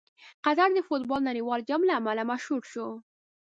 قطر د فټبال د نړیوال جام له امله مشهور شو.